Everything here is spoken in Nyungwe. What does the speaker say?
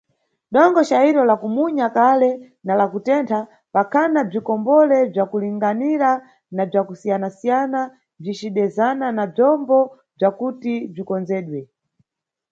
Dongo cayiro, la kumunya kale, na la kutentha, pakhana bzikombole bzakulinganira na bzakusiayana-siyana bzicidezana na bzombo bzakuti bzikonzedwe.